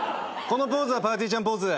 このポーズはぱーてぃーちゃんポーズ。